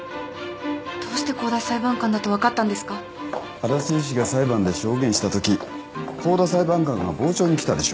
足達医師が裁判で証言したとき香田裁判官が傍聴に来たでしょ。